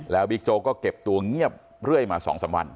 แล้วบิ๊กโจ๊กก็เก็บตัวเงียบเรื่อยมา๒๓วัน